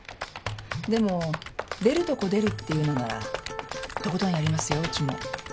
でも出るとこ出るっていうのならとことんやりますよウチも。